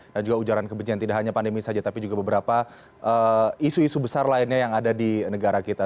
dan juga ujaran kebencian tidak hanya pandemi saja tapi juga beberapa isu isu besar lainnya yang ada di negara kita